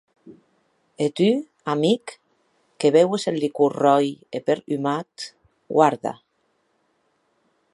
E tu, amic, que beues eth licor ròi e perhumat, guarda!